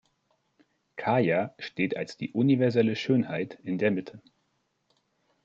Kaya steht als die universelle Schönheit in der Mitte.